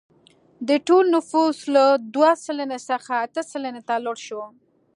د ټول نفوس له دوه سلنې څخه اته سلنې ته لوړ شو.